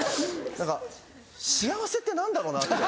何か「幸せ」って何だろうなって。